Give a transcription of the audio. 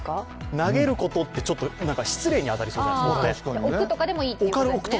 投げることってちょっと失礼に当たりそうじゃないですか。